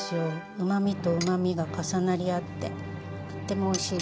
うまみとうまみが重なり合ってとってもおいしいです。